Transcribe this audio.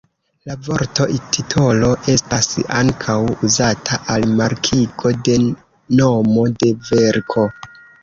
La vorto titolo estas ankaŭ uzata al markigo de nomo de verko.